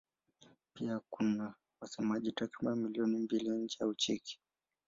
Pia kuna wasemaji takriban milioni mbili nje ya Ucheki.